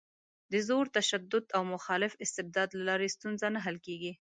د زور، تشدد او مخالف استبداد له لارې ستونزه نه حل کېږي.